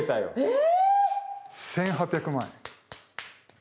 え！